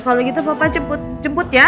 kalau gitu papa jemput jemput ya